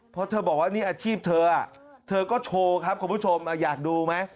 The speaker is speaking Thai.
เพราะเธอบอกว่านี่อาชีพเธอเธอก็โชว์ครับคุณผู้ชมอยากดูไหม